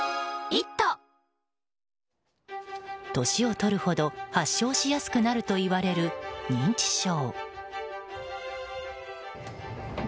年を取るほど発症しやすくなるといわれる認知症。